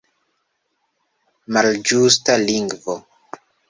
Malĝusta lingvo!